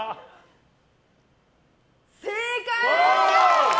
正解！